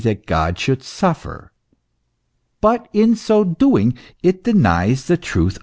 that God should suffer, but in so doing it denies the truth of religion.